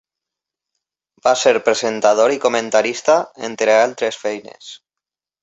Va ser presentador i comentarista, entre altres feines.